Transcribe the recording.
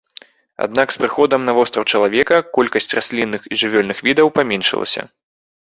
Аднак з прыходам на востраў чалавека колькасць раслінных і жывёльных відаў паменшылася.